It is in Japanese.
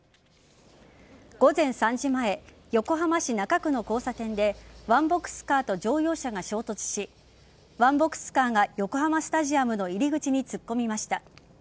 午前３時前横浜市中区の交差点でワンボックスカーと乗用車が衝突しワンボックスカーが横浜スタジアムの入り口に突っ込みました。